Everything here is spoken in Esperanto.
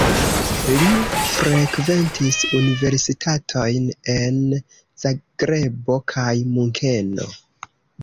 Li frekventis universitatojn en Zagrebo kaj Munkeno.